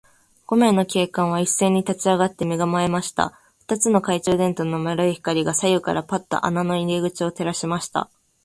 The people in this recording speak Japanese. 五名の警官はいっせいに立ちあがって、身がまえました。二つの懐中電燈の丸い光が、左右からパッと穴の入り口を照らしました。